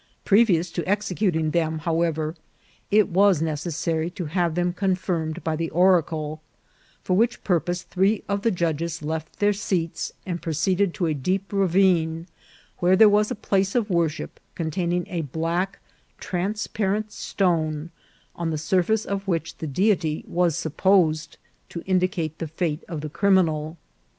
Previous to exe cuting them, however, it was necessary to have them confirmed by the oracle, for which purpose three of the judges left their seats and proceeded to a deep ra vine, where there was a place of worship containing a black transparent stone, on the surface of which the Deity was supposed to indicate the fate of the criminal.